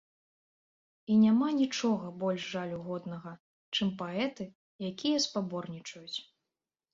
І няма нічога больш жалю годнага, чым паэты, якія спаборнічаюць.